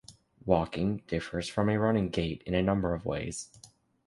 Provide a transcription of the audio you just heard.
Walking differs from a running gait in a number of ways.